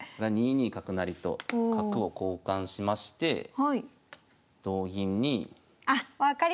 ２二角成と角を交換しまして同銀に。